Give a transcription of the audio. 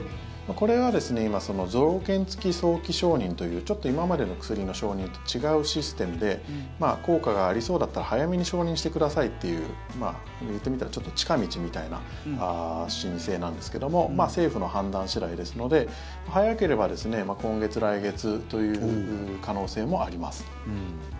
これは今条件付き早期承認というちょっと今までの薬の承認と違うシステムで効果がありそうだったら早めに承認してくださいっていう言ってみたらちょっと近道みたいな申請なんですけども政府の判断次第ですので早ければ今月、来月という可能性もあります。